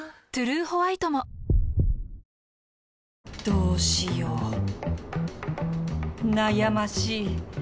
どうしよう悩ましい